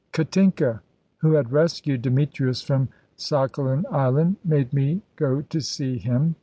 "Katinka, who had rescued Demetrius from Sakhalin Island, made me go to see him.